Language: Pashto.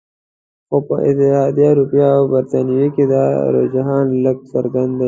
خو په اتحادیه اروپا او بریتانیا کې دا رجحان لږ څرګند دی